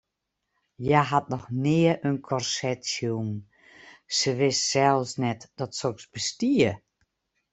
Hja hat noch nea in korset sjoen, se wist sels net dat soks bestie.